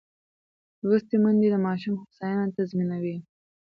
لوستې میندې د ماشوم هوساینه تضمینوي.